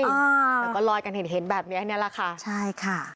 แล้วก็ลอยกันเห็นแบบนี้แหละค่ะใช่ค่ะ